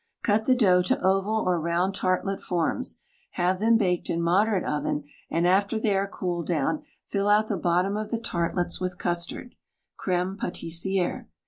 Cut the dough to oval or round tartlet forms, have them baked in moderate oven, and after they are cooled dqwn fill out the bottom of the tartlets with custard (Creme Patissiere).